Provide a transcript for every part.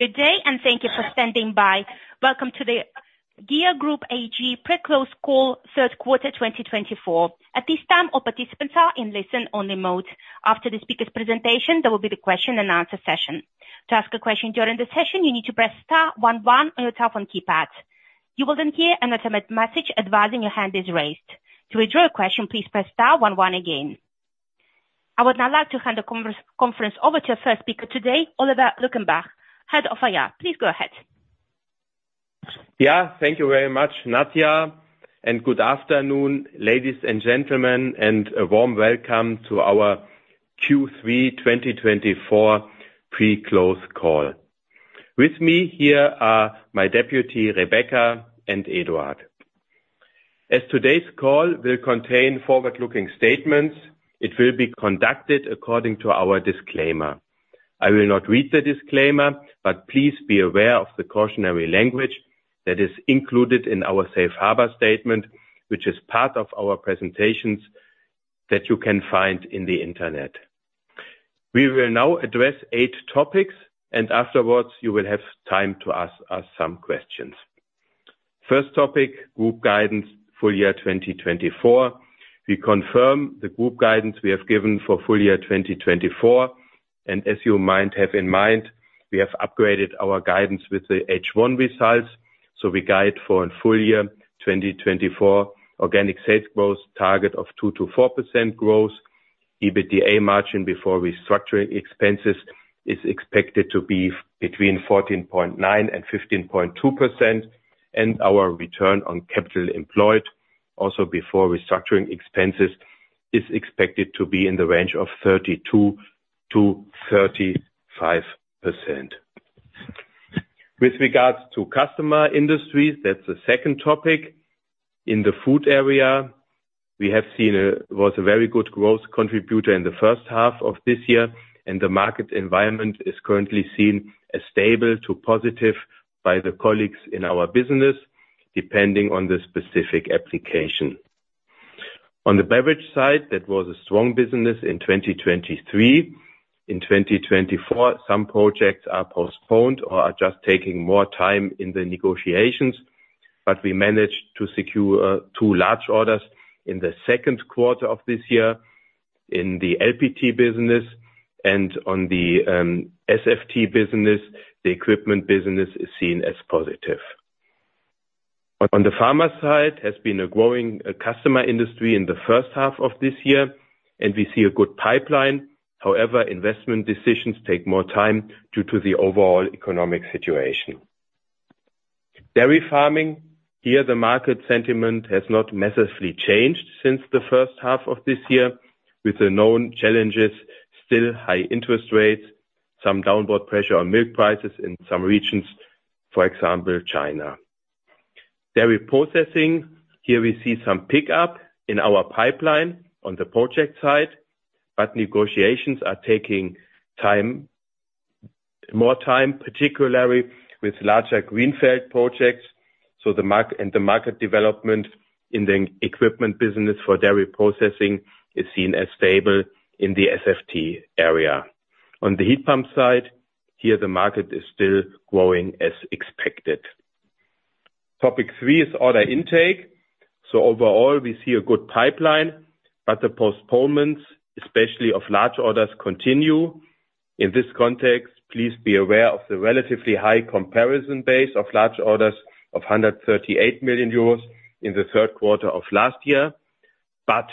Good day, and thank you for standing by. Welcome to the GEA Group AG Pre-Close Call, Third Quarter 2024. At this time, all participants are in listen-only mode. After the speaker's presentation, there will be the question and answer session. To ask a question during the session, you need to press star one one on your telephone keypad. You will then hear an automated message advising your hand is raised. To withdraw your question, please press star one one again. I would now like to hand the conference over to our first speaker today, Oliver Luckenbach, Head of IR. Please go ahead. Yeah, thank you very much, Nadia, and good afternoon, ladies and gentlemen, and a warm welcome to our Q3 2024 Pre-Close Call. With me here are my deputy, Rebecca, and Eduard. As today's call will contain forward-looking statements, it will be conducted according to our disclaimer. I will not read the disclaimer, but please be aware of the cautionary language that is included in our Safe Harbor statement, which is part of our presentations that you can find on the internet. We will now address eight topics, and afterwards, you will have time to ask us some questions. First topic: group guidance, full year 2024. We confirm the group guidance we have given for full year 2024, and as you might have in mind, we have upgraded our guidance with the H1 results, so we guide for a full year 2024 organic sales growth target of 2%-4% growth. EBITDA margin before restructuring expenses is expected to be between 14.9% and 15.2%, and our return on capital employed, also before restructuring expenses, is expected to be in the range of 32%-35%. With regards to customer industries, that's the second topic. In the food area, we have seen a very good growth contributor in the first half of this year, and the market environment is currently seen as stable to positive by the colleagues in our business, depending on the specific application. On the beverage side, that was a strong business in 2023. In 2024, some projects are postponed or are just taking more time in the negotiations, but we managed to secure two large orders in the second quarter of this year in the LPT business and on the SFT business, the equipment business is seen as positive. On the pharma side, has been a growing customer industry in the first half of this year, and we see a good pipeline. However, investment decisions take more time due to the overall economic situation. Dairy farming, here, the market sentiment has not massively changed since the first half of this year, with the known challenges, still high interest rates, some downward pressure on milk prices in some regions, for example, China. Dairy processing, here we see some pickup in our pipeline on the project side, but negotiations are taking time, more time, particularly with larger greenfield projects. So the market and the market development in the equipment business for dairy processing is seen as stable in the SFT area. On the heat pump side, here, the market is still growing as expected. Topic three is order intake. So overall, we see a good pipeline, but the postponements, especially of large orders, continue. In this context, please be aware of the relatively high comparison base of large orders of 138 million euros in the third quarter of last year. But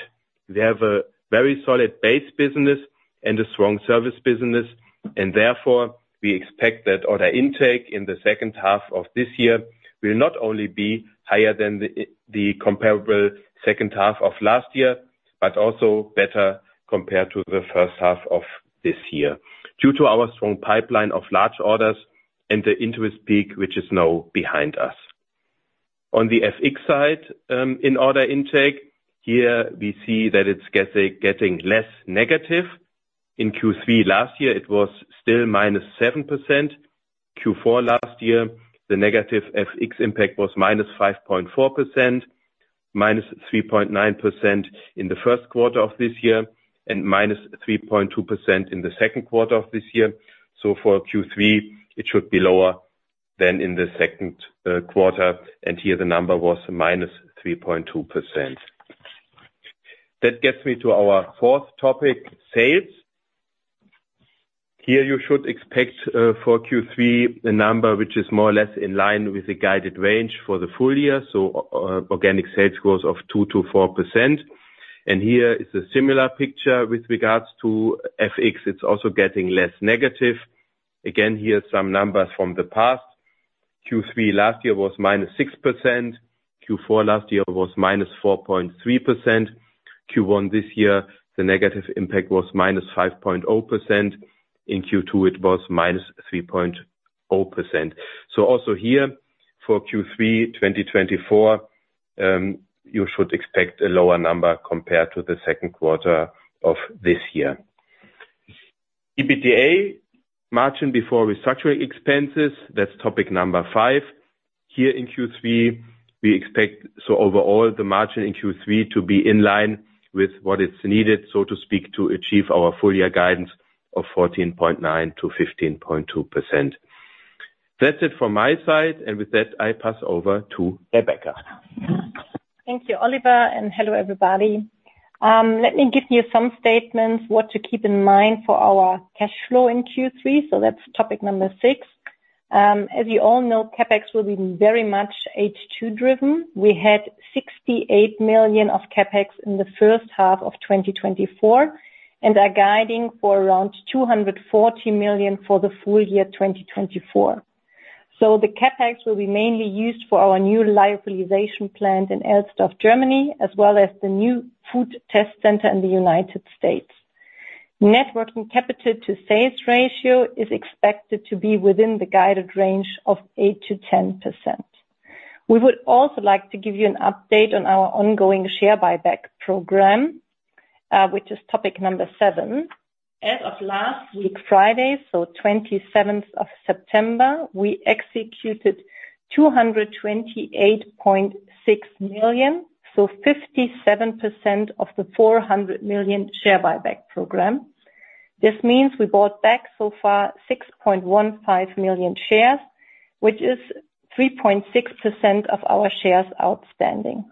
we have a very solid base business and a strong service business, and therefore, we expect that order intake in the second half of this year will not only be higher than the comparable second half of last year, but also better compared to the first half of this year, due to our strong pipeline of large orders and the interest peak, which is now behind us. On the FX side, in order intake, here, we see that it's getting less negative. In Q3 last year, it was still minus 7%. Q4 last year, the negative FX impact was minus 5.4%, minus 3.9% in the first quarter of this year, and minus 3.2% in the second quarter of this year. So for Q3, it should be lower than in the second quarter, and here the number was -3.2%. That gets me to our fourth topic, sales. Here, you should expect for Q3 a number which is more or less in line with the guided range for the full year, so organic sales growth of 2%-4%. And here is a similar picture with regards to FX. It's also getting less negative. Again, here are some numbers from the past. Q3 last year was minus 6%. Q4 last year was minus 4.3%. Q1 this year, the negative impact was minus 5.0%. In Q2, it was minus 3.0%. So also here, for Q3 2024, you should expect a lower number compared to the second quarter of this year. EBITDA margin before restructuring expenses, that's topic number five. Here in Q3, we expect, so overall, the margin in Q3 to be in line with what is needed, so to speak, to achieve our full year guidance of 14.9%-15.2%. That's it from my side, and with that, I pass over to Rebecca. Thank you, Oliver, and hello, everybody. Let me give you some statements, what to keep in mind for our cash flow in Q3, so that's topic number six. As you all know, CapEx will be very much H2 driven. We had 68 million of CapEx in the first half of 2024, and are guiding for around 240 million for the full year 2024. So the CapEx will be mainly used for our new revitalization plant in Elsdorf, Germany, as well as the New Food test center in the United States. Net working capital to sales ratio is expected to be within the guided range of 8%-10%. We would also like to give you an update on our ongoing share buyback program, which is topic number seven. As of last week, Friday, so the 27th of September, we executed 228.6 million, so 57% of the 400 million share buyback program. This means we bought back so far 6.15 million shares, which is 3.6% of our shares outstanding.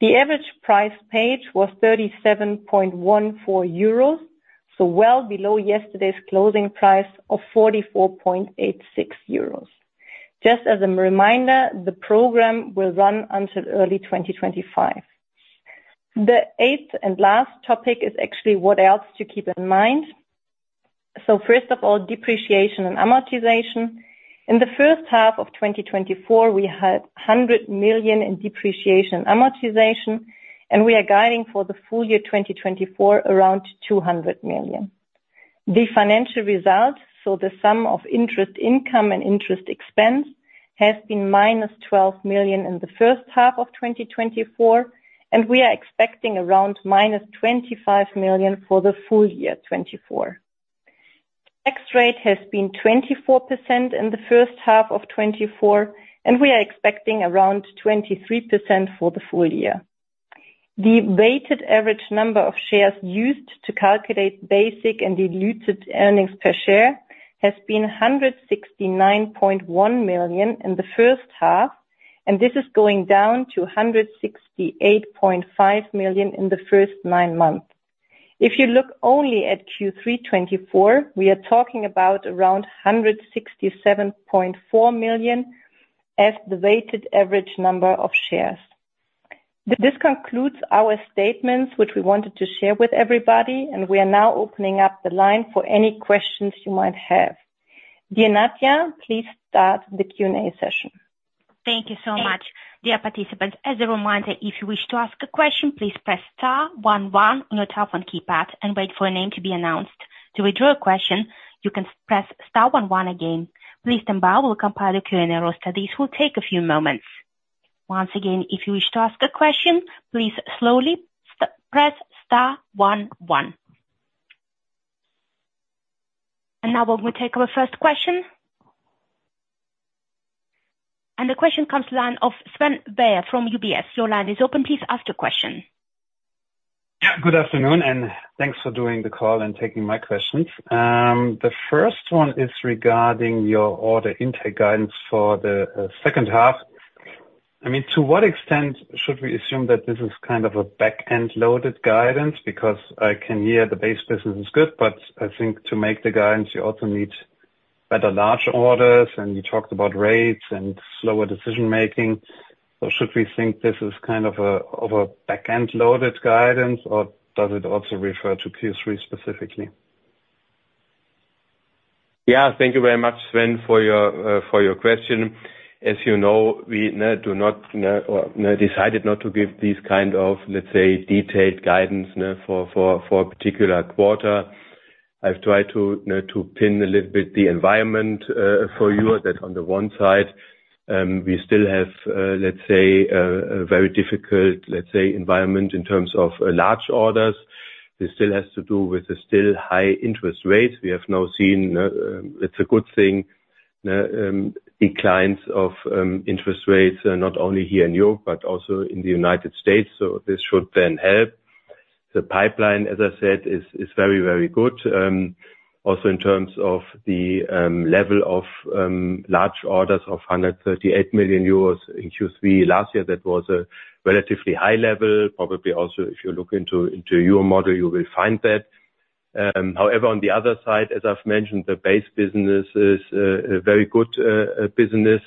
The average price paid was 37.14 euros, so well below yesterday's closing price of 44.86 euros. Just as a reminder, the program will run until early 2025. The eighth and last topic is actually what else to keep in mind. So first of all, depreciation and amortization. In the first half of 2024, we had 100 million in depreciation and amortization, and we are guiding for the full year 2024, around 200 million. The financial results, so the sum of interest income and interest expense, has been -12 million in the first half of 2024, and we are expecting around -25 million for the full year 2024. Tax rate has been 24% in the first half of 2024, and we are expecting around 23% for the full year. The weighted average number of shares used to calculate basic and diluted earnings per share has been 169.1 million in the first half, and this is going down to 168.5 million in the first nine months. If you look only at Q3 2024, we are talking about around 167.4 million as the weighted average number of shares. This concludes our statements, which we wanted to share with everybody, and we are now opening up the line for any questions you might have. Dear Nadia, please start the Q&A session. Thank you so much. Dear participants, as a reminder, if you wish to ask a question, please press star one one on your telephone keypad and wait for a name to be announced. To withdraw a question, you can press star one one again. Please stand by, we'll compile a Q&A roster. This will take a few moments. Once again, if you wish to ask a question, please slowly press star one one. And now we will take our first question. And the question comes to line of Sven Weier from UBS. Your line is open, please ask your question. Yeah, good afternoon, and thanks for doing the call and taking my questions. The first one is regarding your order intake guidance for the second half. I mean, to what extent should we assume that this is kind of a back-end loaded guidance? Because I can hear the base business is good, but I think to make the guidance, you also need better large orders, and you talked about rates and slower decision-making. So should we think this is kind of a back-end loaded guidance, or does it also refer to Q3 specifically? Yeah, thank you very much, Sven, for your question. As you know, we decided not to give these kind of, let's say, detailed guidance for a particular quarter. I've tried to pin a little bit the environment for you, that on the one side, we still have, let's say, a very difficult, let's say, environment in terms of large orders. This still has to do with the still high interest rates. We have now seen it's a good thing declines of interest rates not only here in Europe, but also in the United States, so this should then help. The pipeline, as I said, is very, very good. Also in terms of the level of large orders of 138 million euros in Q3 last year, that was a relatively high level. Probably also, if you look into your model, you will find that. However, on the other side, as I've mentioned, the base business is a very good business,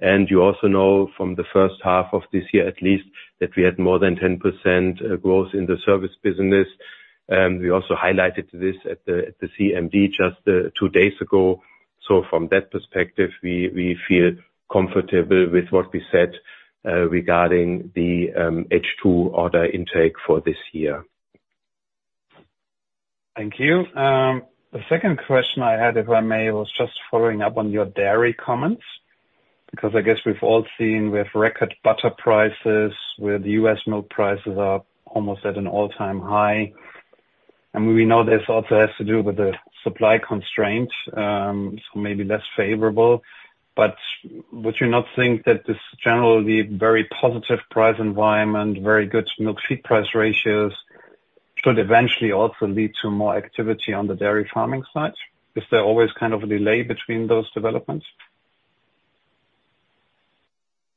and you also know from the first half of this year at least, that we had more than 10% growth in the service business. We also highlighted this at the CMD just two days ago. So from that perspective, we feel comfortable with what we said regarding the H2 order intake for this year. Thank you. The second question I had, if I may, was just following up on your dairy comments, because I guess we've all seen with record butter prices, where the U.S. milk prices are almost at an all-time high, and we know this also has to do with the supply constraint, so maybe less favorable, but would you not think that this generally very positive price environment, very good milk feed price ratios, should eventually also lead to more activity on the dairy farming side? Is there always kind of a delay between those developments?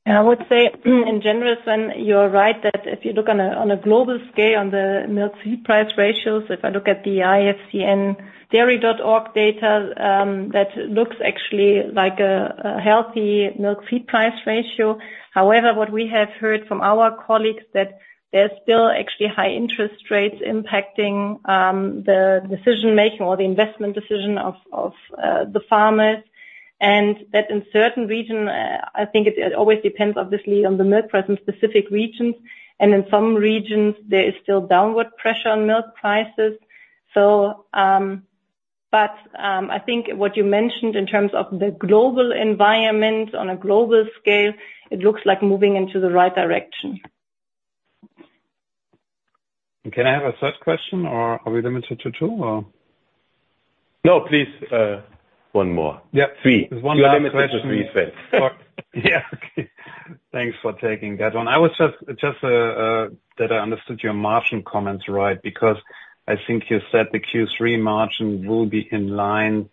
I would say, in general, Sven, you're right, that if you look on a global scale, on the milk feed price ratios, if I look at the ifcndairy.org data, that looks actually like a healthy milk feed price ratio. However, what we have heard from our colleagues, that there's still actually high interest rates impacting the decision making or the investment decision of the farmers, and that in certain region, I think it always depends, obviously, on the milk price in specific regions, and in some regions there is still downward pressure on milk prices, but I think what you mentioned in terms of the global environment, on a global scale, it looks like moving into the right direction. Can I have a third question, or are we limited to two, or? No, please, one more. Yeah. Three. There's one last question. You're limited to three, Sven. Yeah. Thanks for taking that one. I was just that I understood your margin comments right, because I think you said the Q3 margin will be in line,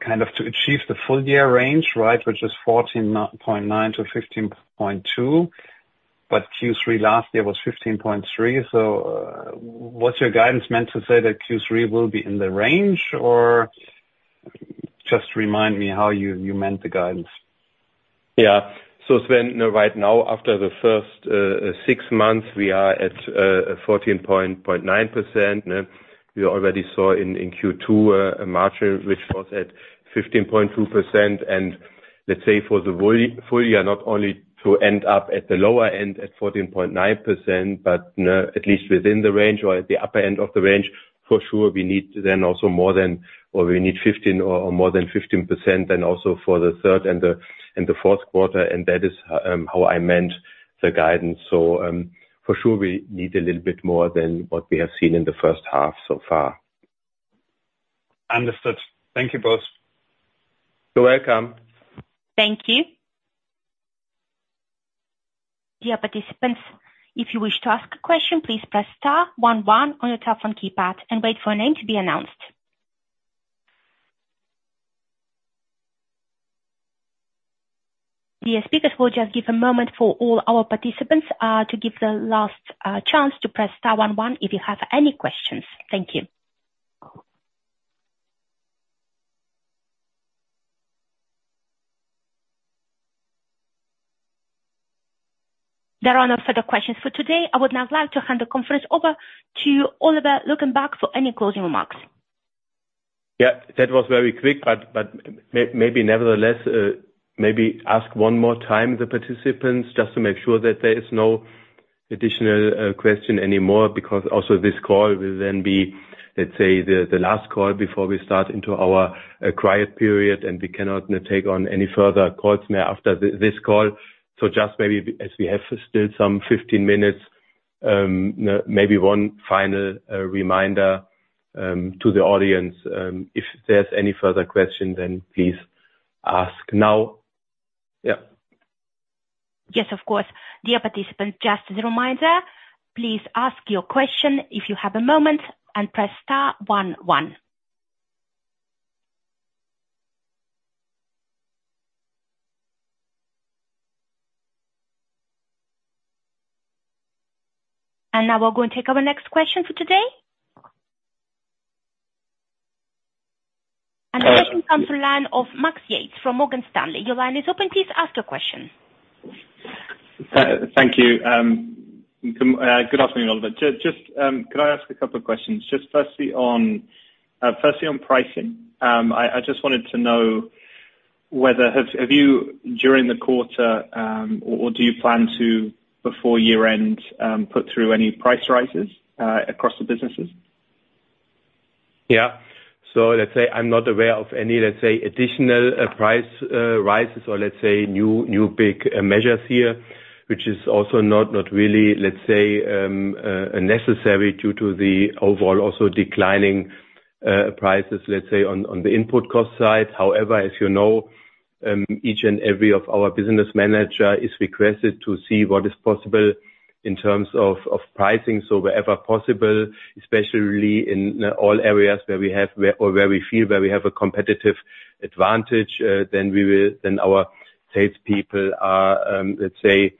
kind of, to achieve the full year range, right? Which is 14.9%-15.2%, but Q3 last year was 15.3%. So, what's your guidance meant to say, that Q3 will be in the range? Or just remind me how you meant the guidance. Yeah. So Sven, right now, after the first six months, we are at 14.9%, huh? We already saw in Q2 a margin which was at 15.2%. And let's say for the full year, not only to end up at the lower end at 14.9%, but at least within the range or at the upper end of the range, for sure, we need then also more than... Or we need 15% or more than 15%, then also for the third and the fourth quarter, and that is how I meant the guidance. So, for sure, we need a little bit more than what we have seen in the first half so far. Understood. Thank you, both. You're welcome. Thank you. Dear participants, if you wish to ask a question, please press star one one on your telephone keypad and wait for your name to be announced. Dear speakers, we'll just give a moment for all our participants to give the last chance to press star one one if you have any questions. Thank you. There are no further questions for today. I would now like to hand the conference over to Oliver Luckenbach for any closing remarks. Yeah, that was very quick, but maybe nevertheless, maybe ask one more time the participants, just to make sure that there is no additional question anymore, because also this call will then be, let's say, the last call before we start into our quiet period, and we cannot take on any further calls now after this call. So just maybe as we have still some 15 minutes, maybe one final reminder to the audience, if there's any further questions, then please ask now. Yeah. Yes, of course. Dear participants, just as a reminder, please ask your question if you have a moment, and press star one one. And now we're going to take our next question for today. The second comes from the line of Max Yates, from Morgan Stanley. Your line is open, please ask your question. Thank you. Good afternoon, Oliver. Just could I ask a couple of questions? Just firstly on pricing. I just wanted to know whether have you during the quarter or do you plan to before year end put through any price rises across the businesses? Yeah. So let's say I'm not aware of any, let's say, additional price rises or let's say new big measures here, which is also not really, let's say, necessary due to the overall also declining prices, let's say, on the input cost side. However, as you know, each and every of our business manager is requested to see what is possible in terms of pricing. So wherever possible, especially in all areas where we have or where we feel we have a competitive advantage, then our salespeople are, let's say,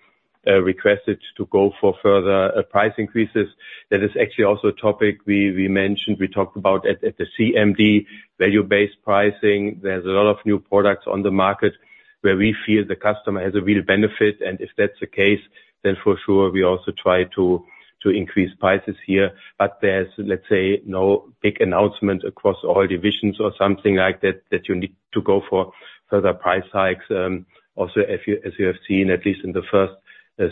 requested to go for further price increases. That is actually also a topic we mentioned, we talked about at the CMD value-based pricing. There's a lot of new products on the market where we feel the customer has a real benefit, and if that's the case, then for sure we also try to increase prices here. But there's, let's say, no big announcement across all divisions or something like that, that you need to go for further price hikes. Also, as you have seen, at least in the first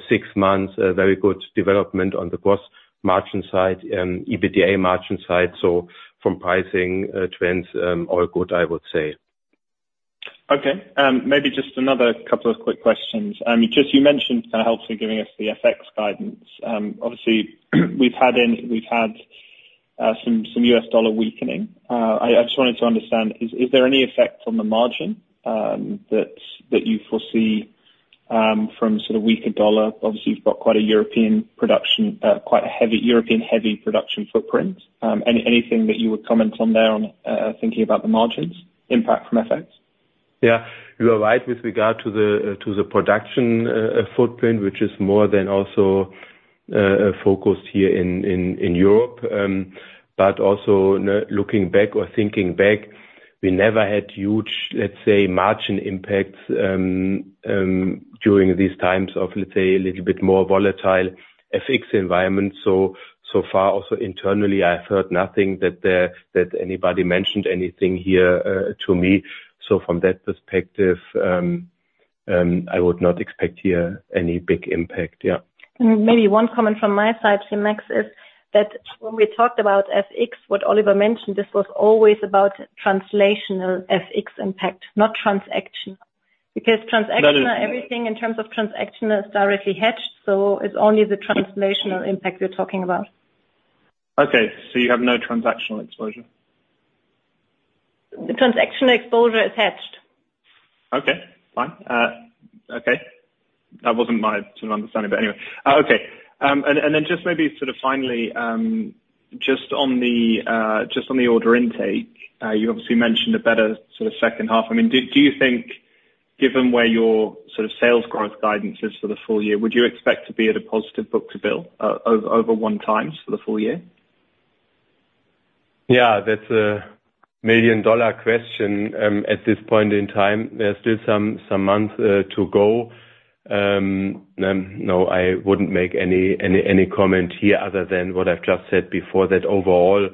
six months, a very good development on the gross margin side and EBITDA margin side. So from pricing trends, all good, I would say. Okay, maybe just another couple of quick questions. Just you mentioned helping giving us the FX guidance. Obviously, we've had some USD weakening. I just wanted to understand, is there any effect on the margin that you foresee from sort of weaker dollar? Obviously, you've got quite a European production, quite a heavy European-heavy production footprint. Anything that you would comment on there, on thinking about the margins impact from FX? Yeah. You are right with regard to the production footprint, which is more than also focused here in Europe. But also, looking back or thinking back, we never had huge, let's say, margin impacts during these times of, let's say, a little bit more volatile FX environment. So, so far, also internally, I've heard nothing that anybody mentioned anything here to me. So from that perspective, I would not expect here any big impact. Yeah. Maybe one comment from my side here, Max, is that when we talked about FX, what Oliver mentioned, this was always about translational FX impact, not transactional. Because transactional, everything in terms of transactional is directly hedged, so it's only the translational impact we're talking about. Okay, so you have no transactional exposure? The transactional exposure is hedged. Okay. Fine. Okay. That wasn't my sort of understanding, but anyway. Okay. And then, just maybe sort of finally, just on the order intake, you obviously mentioned a better sort of second half. I mean, do you think, given where your sort of sales growth guidance is for the full year, would you expect to be at a positive book-to-bill over one times for the full year? Yeah, that's a million-dollar question. At this point in time, there's still some months to go. No, I wouldn't make any comment here other than what I've just said before, that overall,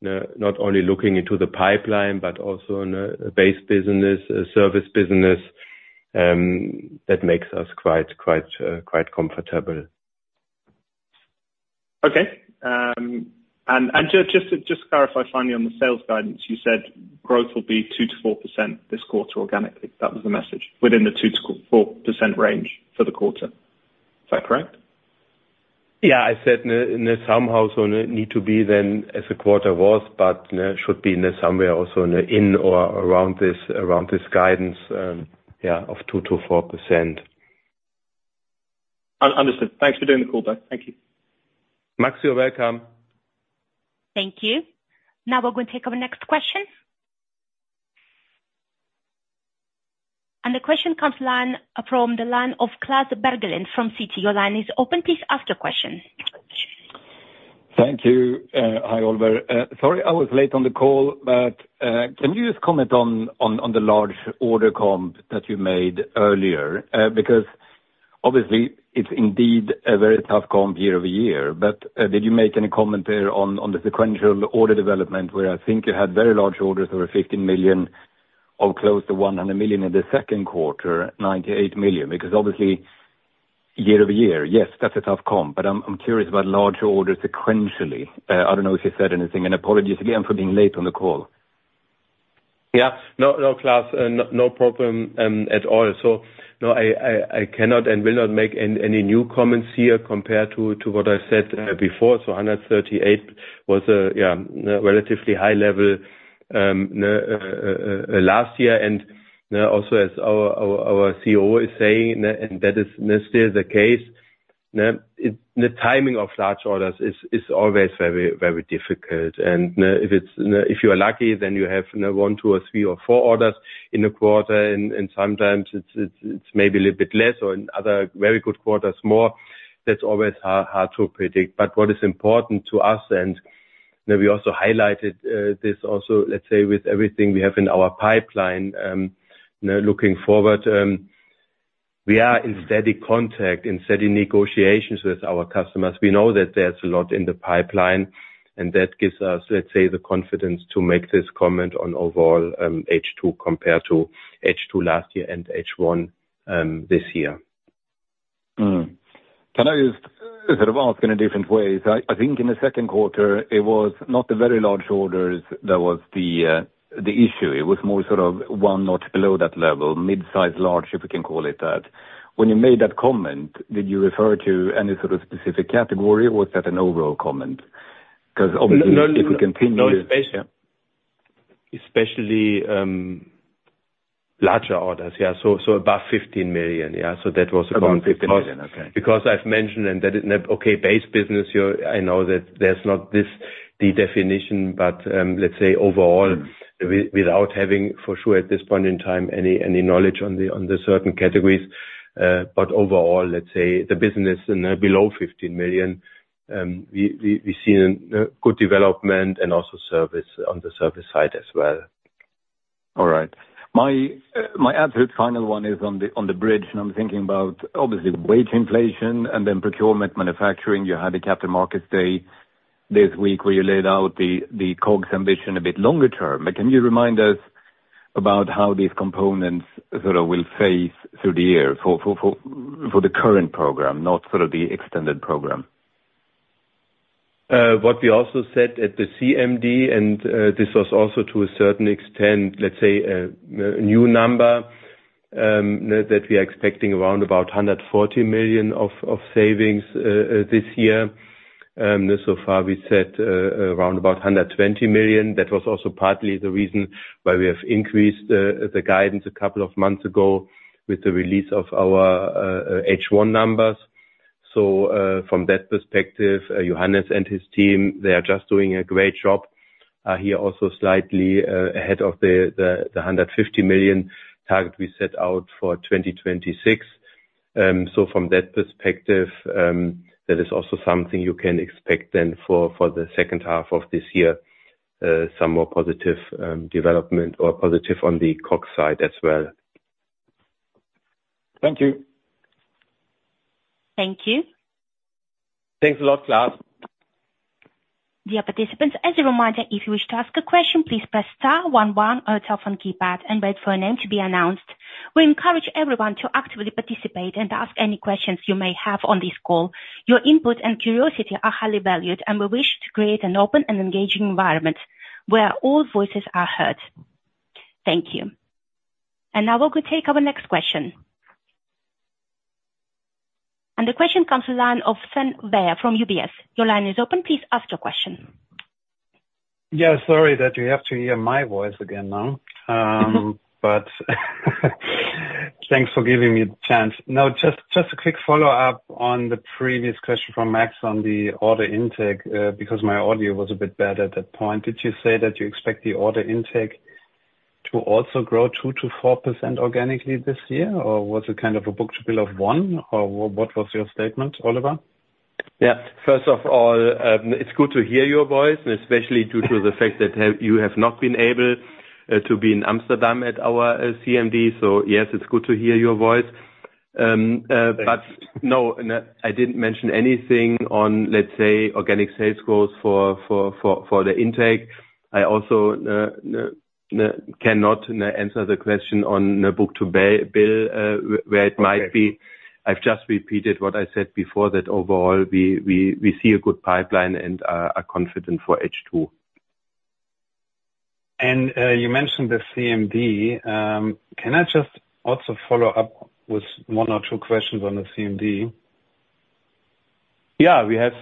not only looking into the pipeline, but also in base business, service business, that makes us quite comfortable. Okay, and just to clarify finally on the sales guidance, you said growth will be 2%-4% this quarter, organically. That was the message, within the 2%-4% range for the quarter. Is that correct? Yeah, I said, somehow so need to be then as the quarter was, but should be in the somewhere also in or around this guidance, yeah, of 2%-4%. Understood. Thanks for doing the call back. Thank you. Max, you're welcome. Thank you. Now we're gonna take our next question. The question comes from the line of Klas Bergelind from Carnegie. Your line is open, please ask your question. Thank you. Hi, Oliver. Sorry I was late on the call, but can you just comment on the large order comp that you made earlier? Because obviously, it's indeed a very tough comp year over year, but did you make any comment there on the sequential order development, where I think you had very large orders over 15 million, or close to 100 million in the second quarter, 98 million? Because obviously, year over year, yes, that's a tough comp, but I'm curious about larger orders sequentially. I don't know if you said anything, and apologies again for being late on the call. Yeah. No, no, Klaus, no problem at all. So no, I cannot and will not make any new comments here compared to what I said before. So 138 was a, yeah, relatively high level last year. And also as our COO is saying, and that is still the case, the timing of large orders is always very, very difficult. And if you are lucky, then you have, you know, one, two, or three, or four orders in a quarter, and sometimes it's maybe a little bit less, or in other very good quarters, more. That's always hard to predict. But what is important to us, and, you know, we also highlighted, this also, let's say, with everything we have in our pipeline, you know, looking forward, we are in steady contact and steady negotiations with our customers. We know that there's a lot in the pipeline, and that gives us, let's say, the confidence to make this comment on overall, H2 compared to H2 last year and H1, this year. Can I just sort of ask in a different way? I, I think in the second quarter, it was not the very large orders that was the, the issue. It was more sort of one notch below that level, mid-size, large, if we can call it that. When you made that comment, did you refer to any sort of specific category, or was that an overall comment? 'Cause obviously- No, no- If you continue. No, espec- Yeah. Especially, larger orders. Yeah, so, so about 15 million. Yeah, so that was about- About 15 million, okay. Because I've mentioned, and that is, okay, base business, you, I know that there's not this, the definition, but, let's say overall without having, for sure, at this point in time, any knowledge on the certain categories, but overall, let's say the business in below fifteen million, we see a good development and also service, on the service side as well. All right. My absolute final one is on the, on the bridge, and I'm thinking about obviously the wage inflation and then procurement, manufacturing. You had a Capital Markets Day this week, where you laid out the, the COGS ambition a bit longer term, but can you remind us about how these components sort of will phase through the year for the current program, not sort of the extended program? What we also said at the CMD, and this was also to a certain extent, let's say, a new number that we are expecting around about 140 million of savings this year. So far we said, around about 120 million. That was also partly the reason why we have increased the guidance a couple of months ago with the release of our H1 numbers. So, from that perspective, Johannes and his team, they are just doing a great job. Here, also slightly ahead of the 150 million target we set out for 2026. So from that perspective, that is also something you can expect then for the second half of this year, some more positive development or positive on the COGS side as well. Thank you. Thank you. Thanks a lot, Klaus. Dear participants, as a reminder, if you wish to ask a question, please press star one one on your telephone keypad and wait for your name to be announced. We encourage everyone to actively participate and ask any questions you may have on this call. Your input and curiosity are highly valued, and we wish to create an open and engaging environment where all voices are heard. Thank you, and now we will take our next question, and the question comes to line of Sven Weier from UBS. Your line is open. Please ask your question. Yeah, sorry that you have to hear my voice again now, but thanks for giving me the chance. Now, just a quick follow-up on the previous question from Max on the order intake, because my audio was a bit bad at that point. Did you say that you expect the order intake to also grow 2%-4% organically this year? Or was it kind of a book-to-bill of one, or what was your statement, Oliver? Yeah. First of all, it's good to hear your voice, and especially due to the fact that you have not been able to be in Amsterdam at our CMD. So yes, it's good to hear your voice. Thanks. But no, no, I didn't mention anything on, let's say, organic sales growth for the intake. I also cannot answer the question on the book-to-bill, where it might be. Okay. I've just repeated what I said before, that overall we see a good pipeline and are confident for H2. You mentioned the CMD. Can I just also follow up with one or two questions on the CMD? Yeah, we have.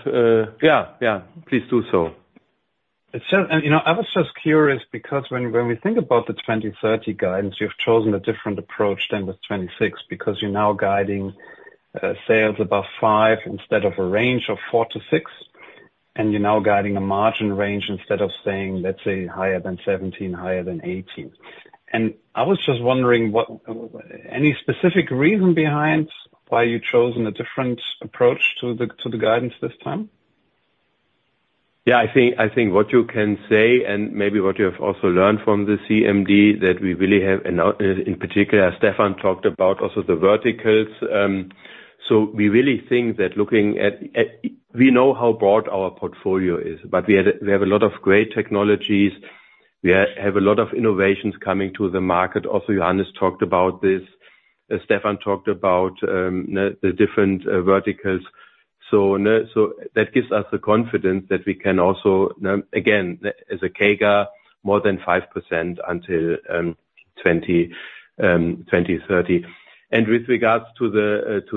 Yeah, yeah, please do so. And, you know, I was just curious because when we think about the 2030 guidance, you've chosen a different approach than with 2026, because you're now guiding sales above five instead of a range of four to six, and you're now guiding a margin range instead of saying, let's say, higher than 17, higher than 18. And I was just wondering, what any specific reason behind why you've chosen a different approach to the guidance this time? Yeah, I think what you can say, and maybe what you have also learned from the CMD, that we really have, and now, in particular, Stefan talked about also the verticals. So we really think that looking at. We know how broad our portfolio is, but we had a, we have a lot of great technologies. We have a lot of innovations coming to the market. Also, Johannes talked about this, as Stefan talked about, the different verticals. So that gives us the confidence that we can also, again, as a CAGR, more than 5% until 2030. And with regards to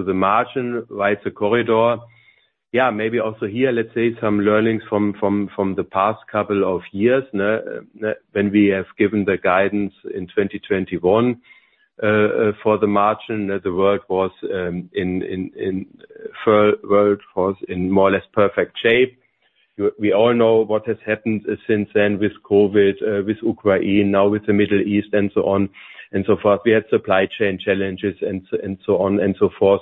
the margin, wider corridor. Yeah, maybe also here, let's say, some learnings from the past couple of years, when we have given the guidance in 2021 for the margin, that the world was in more or less perfect shape. We all know what has happened since then with COVID, with Ukraine, now with the Middle East and so on and so forth. We had supply chain challenges and so on and so forth.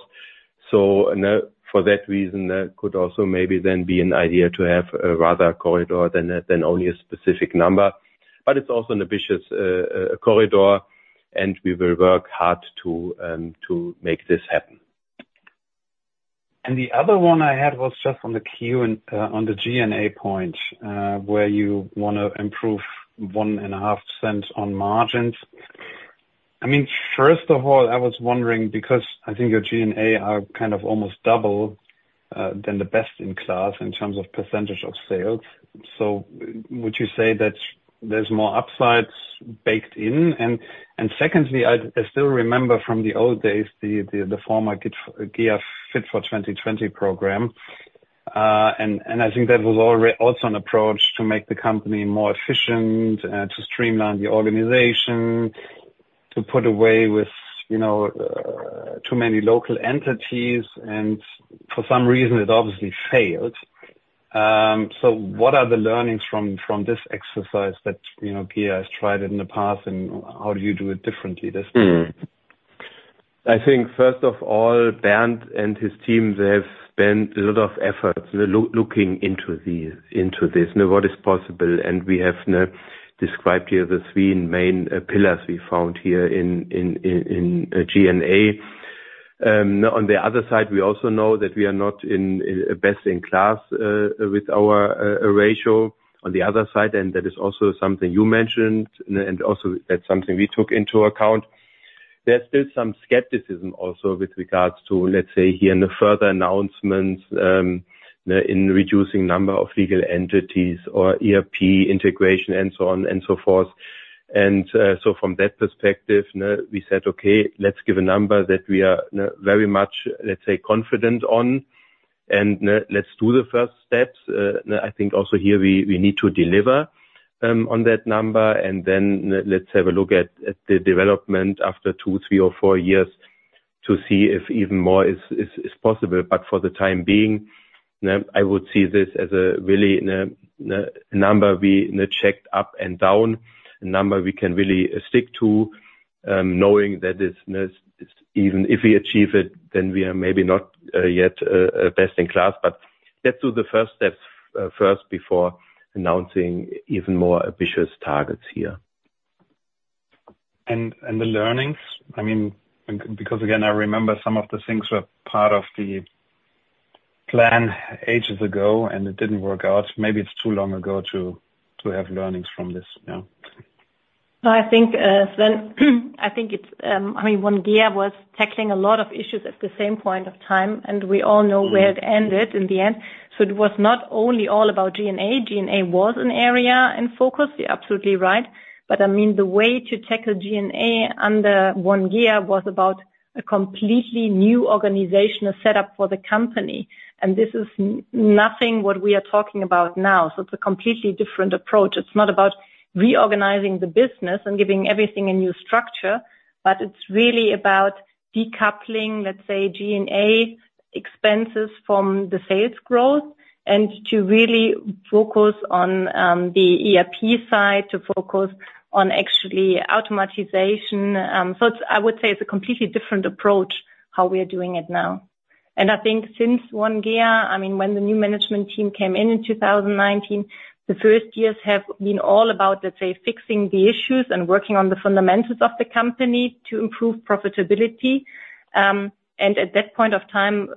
For that reason, that could also maybe then be an idea to have a rather corridor than only a specific number. But it's also an ambitious corridor, and we will work hard to make this happen. The other one I had was just on the Q&A, on the G&A point, where you wanna improve 1.5% on margins. I mean, first of all, I was wondering, because I think your G&A are kind of almost double than the best in class in terms of percentage of sales. So would you say that there's more upsides baked in? And secondly, I still remember from the old days, the former GEA Fit for 2020 program, and I think that was already also an approach to make the company more efficient, to streamline the organization, to do away with, you know, too many local entities, and for some reason it obviously failed. So what are the learnings from this exercise that, you know, GEA has tried in the past, and how do you do it differently this time? I think, first of all, Bernd and his team, they have spent a lot of effort looking into this, now what is possible, and we have now described here the three main pillars we found here in G&A. On the other side, we also know that we are not in best in class with our ratio on the other side, and that is also something you mentioned, and also that's something we took into account. There's still some skepticism also with regards to, let's say, here in the further announcements, in reducing number of legal entities or ERP integration, and so on and so forth. And so from that perspective, we said, "Okay, let's give a number that we are very much, let's say, confident on, and let's do the first steps." I think also here we need to deliver on that number, and then let's have a look at the development after two, three, or four years to see if even more is possible. But for the time being, I would see this as a really number we checked up and down, a number we can really stick to, knowing that this even if we achieve it, then we are maybe not yet best in class. But let's do the first steps first before announcing even more ambitious targets here. The learnings? I mean, because, again, I remember some of the things were part of the plan ages ago, and it didn't work out. Maybe it's too long ago to have learnings from this now. No, I think then I think it's I mean OneGEA was tackling a lot of issues at the same point of time, and we all know where it ended in the end. So it was not only all about G&A. G&A was an area in focus, you're absolutely right. But I mean the way to tackle G&A under OneGEA was about a completely new organizational setup for the company, and this is nothing what we are talking about now. So it's a completely different approach. It's not about reorganizing the business and giving everything a new structure, but it's really about decoupling, let's say, G&A expenses from the sales growth, and to really focus on the ERP side, to focus on actually automation. So it's I would say it's a completely different approach, how we are doing it now. I think since OneGEA, I mean, when the new management team came in in 2019, the first years have been all about, let's say, fixing the issues and working on the fundamentals of the company to improve profitability. And at that point of time,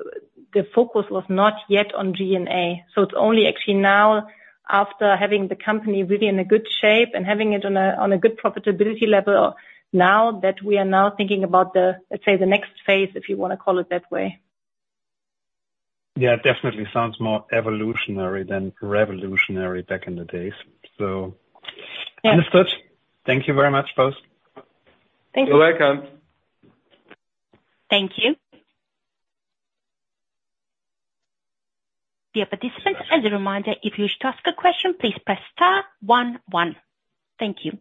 the focus was not yet on G&A. So it's only actually now, after having the company really in a good shape and having it on a good profitability level now, that we are now thinking about the, let's say, the next phase, if you wanna call it that way. Yeah, it definitely sounds more evolutionary than revolutionary back in the days. So understood. Thank you very much, both. Thank you. You're welcome. Thank you. Dear participants, as a reminder, if you wish to ask a question, please press star one one. Thank you.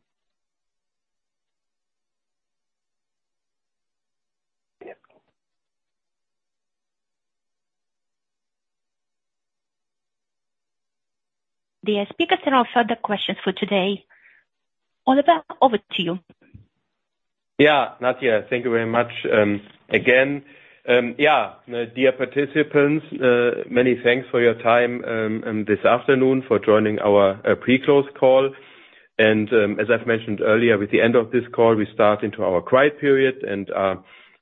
Dear speakers, there are no further questions for today. Oliver, over to you. Yeah, Nadia, thank you very much, again. Yeah, dear participants, many thanks for your time this afternoon for joining our pre-close call. And, as I've mentioned earlier, with the end of this call, we start into our quiet period, and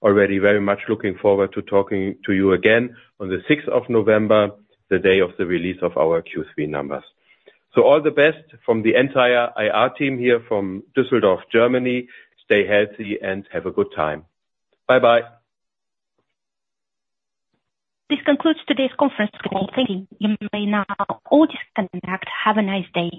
already very much looking forward to talking to you again on the sixth of November, the day of the release of our Q3 numbers. So all the best from the entire IR team here from Düsseldorf, Germany. Stay healthy and have a good time. Bye-bye. This concludes today's conference call. Thank you. You may now all disconnect. Have a nice day.